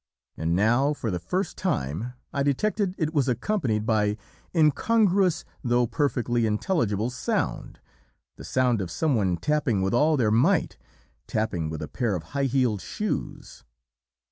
"And now for the first time I detected it was accompanied by incongruous though perfectly intelligible sound the sound of someone tapping with all their might, tapping with a pair of high heeled shoes.